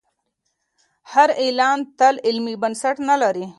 هر اعلان تل علمي بنسټ نه لري.